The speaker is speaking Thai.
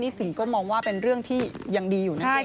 นี่สิ่งก็มองว่าเป็นเรื่องที่ยังดีอยู่นะเก่ง